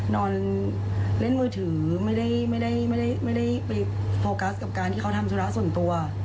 นอนเล่นมือถือไม่ได้ไปโฟกัสกับการที่เขาทำธุระส่วนตัว